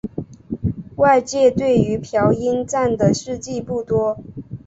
外界对于朴英赞的事迹不多。